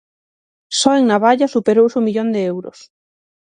Só en navalla superouse o millón de euros.